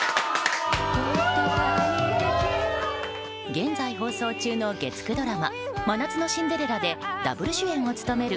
現在放送中の月９ドラマ「真夏のシンデレラ」でダブル主演を務める